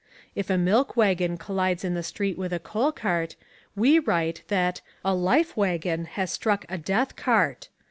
If a milk waggon collides in the street with a coal cart, we write that a "life waggon" has struck a "death cart."